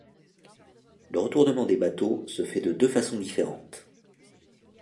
Le retournement des bateaux se fait de deux façons différentes.